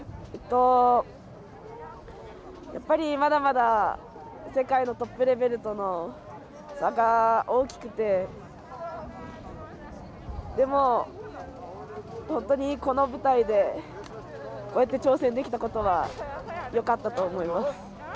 まだまだ世界のトップレベルとの差が大きくてでも本当にこの舞台でこうやって挑戦できたことはよかったと思います。